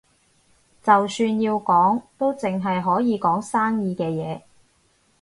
就算要講，都淨係可以講生意嘅嘢